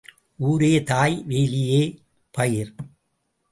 ஊரே தாய் வேலியே பயிர்.